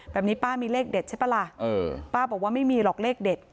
ป้ามีเลขเด็ดใช่ป่ะล่ะป้าบอกว่าไม่มีหรอกเลขเด็ด